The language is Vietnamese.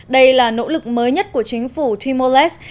đây là nỗ lực mới nhất của chính phủ timor leste